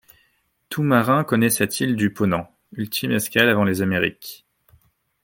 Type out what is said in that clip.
Tout marin connaît cette île du Ponant, ultime escale avant les Amériques.